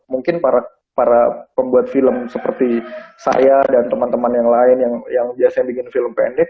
mungkin para pembuat film seperti saya dan teman teman yang lain yang biasanya bikin film pendek